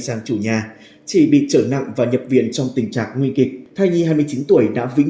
sang chủ nhà chỉ bị trở nặng và nhập viện trong tình trạng nguy kịch thai nhi hai mươi chín tuổi đã vĩnh